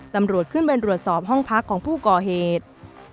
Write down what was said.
ตำรวจขึ้นไปรวดสอบห้องพักของผู้ก่อเหตุ